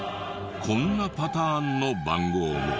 こんなパターンの番号も。